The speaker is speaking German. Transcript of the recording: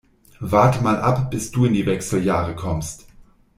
Warte mal ab, bis du in die Wechseljahre kommst.